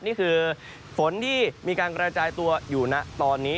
นี่คือฝนที่มีการกระจายตัวอยู่นะตอนนี้